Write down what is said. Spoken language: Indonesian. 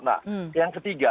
nah yang ketiga